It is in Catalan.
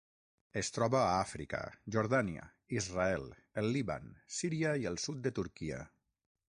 Es troba a Àfrica, Jordània, Israel, el Líban, Síria i el sud de Turquia.